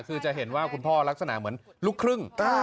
คือจะเห็นว่าคุณพ่อลักษณะเหมือนลูกครึ่ง